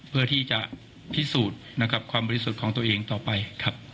เพื่อที่จะพิสูจน์นะครับความบริสุทธิ์ของตัวเองต่อไปครับ